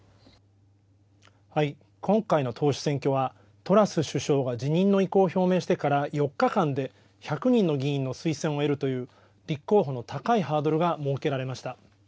今回の党首選挙は、トラス首相が辞任の意向を表明してから４日間で１００人の議員の推薦を得るという、立候補の高いハードルが設けられました。